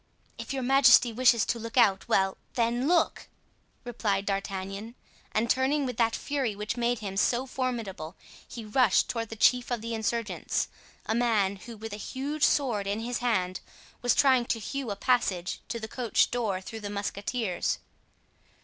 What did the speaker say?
"If your majesty wishes to look out—well, then, look!" replied D'Artagnan. And turning with that fury which made him so formidable, he rushed toward the chief of the insurgents, a man who, with a huge sword in his hand, was trying to hew a passage to the coach door through the musketeers.